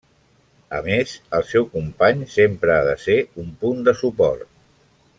A més, el seu company sempre ha de ser un punt de suport.